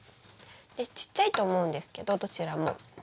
でちっちゃいと思うんですけどどちらも。